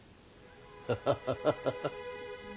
ハハハハハ。